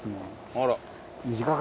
あら。